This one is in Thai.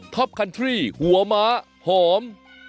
ท็อปคันทรี่หัวมะหอม